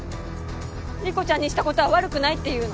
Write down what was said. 理子ちゃんにしたことは悪くないっていうの！？